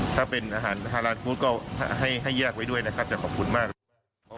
ถ้าเป็นอาหารทารานฟู้ดก็ให้แยกไว้ด้วยนะครับ